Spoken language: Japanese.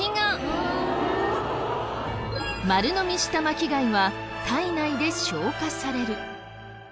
丸のみした巻き貝は体内で消化される。